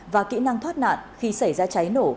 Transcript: và kỹ năng thoát nạn khi xảy ra cháy nổ